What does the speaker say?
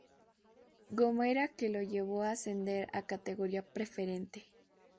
Gomera, que le llevó a ascender a Categoría Preferente.